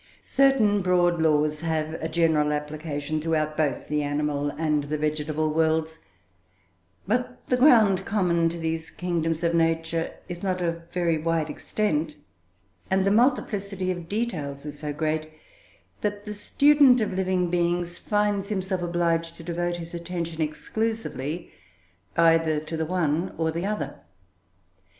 Certain broad laws have a general application throughout both the animal and the vegetable worlds, but the ground common to these kingdoms of nature is not of very wide extent, and the multiplicity of details is so great, that the student of living beings finds himself obliged to devote his attention exclusively either to the one or the other.